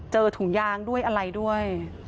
ถุงยางด้วยอะไรด้วย